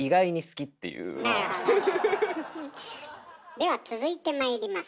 では続いてまいります。